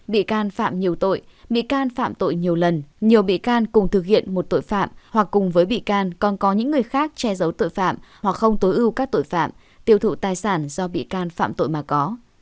bị can phạm nhiều tội bị can phạm tội nhiều lần nhiều bị can cùng thực hiện một tội phạm hoặc cùng với bị can còn có những người khác che giấu tội phạm hoặc không tối ưu các tội phạm tiêu thụ tài sản do bị can phạm tội mà có